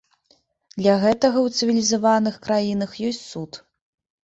Для гэтага ў цывілізаваных краінах ёсць суд.